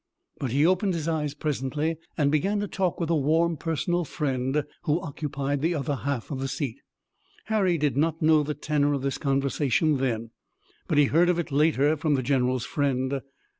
But he opened his eyes presently and began to talk with a warm personal friend who occupied the other half of the seat. Harry did not know the tenor of this conversation then, but he heard of it later from the general's friend.